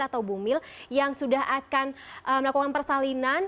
atau ibu mil yang sudah akan melakukan persalinan